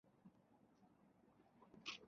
د صنعت پراختیا د ستالین په امر ترسره کېده.